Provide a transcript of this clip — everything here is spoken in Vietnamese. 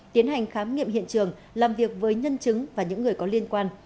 tiến hành khám nghiệm hiện trường làm việc với nhân chứng và những người có liên quan